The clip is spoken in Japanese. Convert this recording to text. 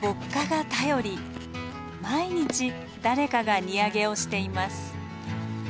毎日誰かが荷揚げをしています。